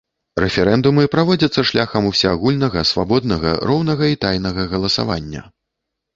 Рэферэндумы праводзяцца шляхам усеагульнага, свабоднага, роўнага і тайнага галасавання.